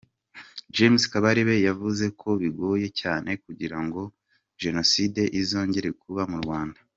James Kabarebe yavuze ko bigoye cyane kugira ngo Jenoside izongere kuba mu Rwanda.